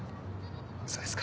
そうですか。